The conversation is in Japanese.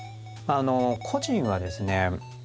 個人はですね